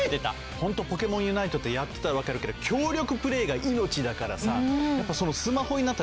ホントポケモンＵＮＩＴＥってやってたらわかるけど協力プレイが命だからさ。